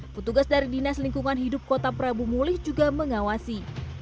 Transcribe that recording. petugas dari dinas lingkungan hidup kota prabu mulih juga mengawasi